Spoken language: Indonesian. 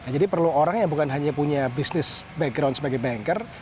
jadi perlu orang yang bukan hanya punya business background sebagai banker